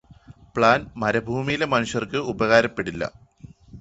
plan ഭൂമിയിലെ മനുഷ്യർക്ക് ഉപകാരപ്പെടില്ല